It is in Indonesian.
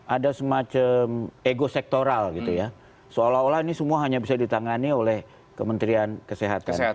ada semacam ego sektoral gitu ya seolah olah ini semua hanya bisa ditangani oleh kementerian kesehatan